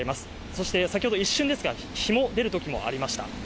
そして先ほど一瞬ですが日も出るときもありました。